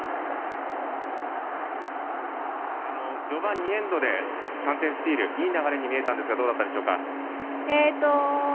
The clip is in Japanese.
序盤２エンドで３点スチールいい流れに見えたんですがどうだったでしょうか？